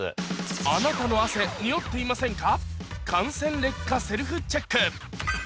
あなたの汗におっていませんか？